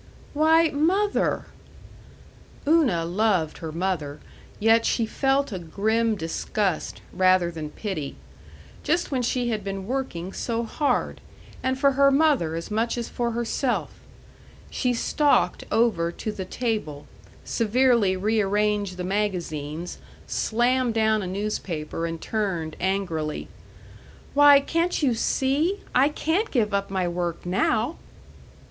"Why, mother " Una loved her mother, yet she felt a grim disgust, rather than pity.... Just when she had been working so hard! And for her mother as much as for herself.... She stalked over to the table, severely rearranged the magazines, slammed down a newspaper, and turned, angrily. "Why, can't you see? I can't give up my work now."